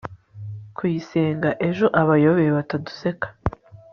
kuyisenga, ejo abayobe bataduseka